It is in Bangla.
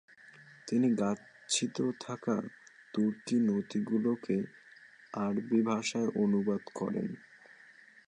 তিনি গচ্ছিত থাকা তুর্কি নথিগুলিকে আরবি ভাষায় অনুবাদ করেন।